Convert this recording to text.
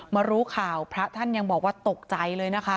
รู้ข่าวพระท่านยังบอกว่าตกใจเลยนะคะ